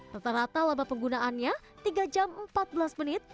rata rata laba penggunaannya tiga jam empat belas menit